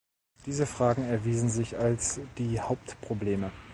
Diese Fragen erwiesen sich als die Hauptprobleme.